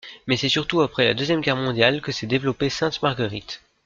Mais c'est surtout après la Deuxième Guerre mondiale que s'est développée Sainte-Marguerite.